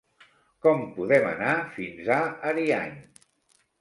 Com podem anar fins a Ariany?